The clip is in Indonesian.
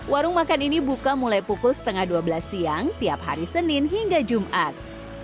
warung makan ini buka mulai pukul setengah dua belas siang tiap hari senin hingga jumat